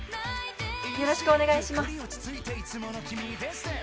よろしくお願いします。